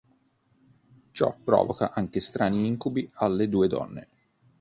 Ciò provoca anche strani incubi alle due donne.